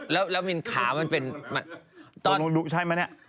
แล้วมีขามันเป็นตอนนอนดูใช่มั้ยเนี่ย